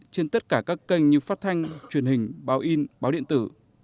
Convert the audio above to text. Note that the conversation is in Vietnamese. trên tất cả các kênh như phát thanh truyền hình báo in báo điện tử